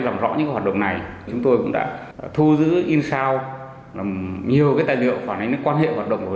làm đi ngược lại với lợi ích của quốc gia